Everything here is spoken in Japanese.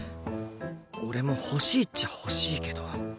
俺も欲しいっちゃ欲しいけど